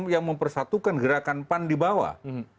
yang mempersatukan gerakan pan di bawah